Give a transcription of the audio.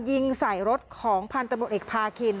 ยิงใส่รถของพันธบุตรเอกพาคิน